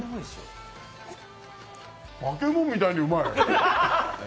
化け物みたいにうまい！